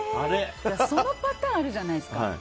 そのパターンあるじゃないですか。